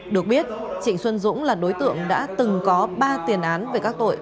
được biết trịnh xuân dũng là đối tượng đã từng có ba tiền án về các tội